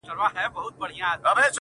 بیرته چي یې راوړې- هغه بل وي زما نه -